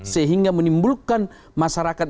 sehingga menimbulkan masyarakat